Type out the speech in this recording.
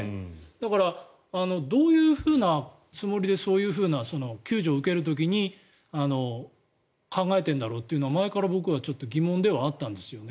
だから、どういうふうなつもりでそういうふうな救助を受ける時に考えているんだろうと前から僕は疑問ではあったんですよね。